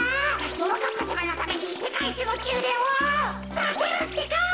ももかっぱさまのためにせかいいちのきゅうでんをつくるってか！